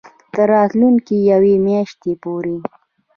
تر راتلونکې یوې میاشتې پورې